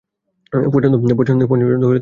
পছন্দ হলে তবে তো।